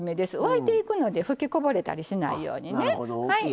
沸いていくのでふきこぼれたりしないようにね。